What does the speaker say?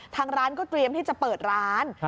ทางร้านก็เตรียมที่จะเปิดร้าน